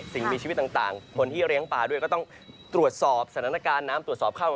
สิ่งมีชีวิตต่างบนที่เลี้ยงปลาด้วยก็ต้องตรวจสอบสถานการณ์น้ำตรวจสอบเข้า